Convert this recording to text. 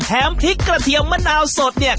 พริกกระเทียมมะนาวสดเนี่ย